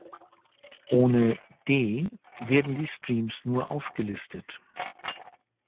Ohne -d werden die Streams nur aufgelistet.